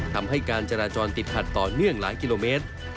ทำให้การจราจรติดขัดต่อเนื่องหลายกิโลเมตร